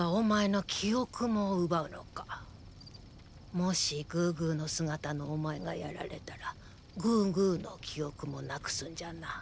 もしグーグーの姿のお前がやられたらグーグーの記憶もなくすんじゃな。